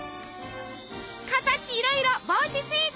形いろいろ帽子スイーツ！